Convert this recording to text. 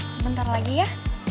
sebentar lagi ya